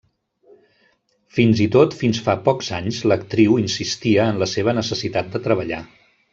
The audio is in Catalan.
Fins i tot fins fa pocs anys l'actriu insistia en la seva necessitat de treballar.